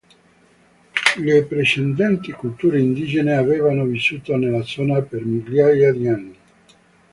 Le precedenti culture indigene avevano vissuto nella zona per migliaia di anni.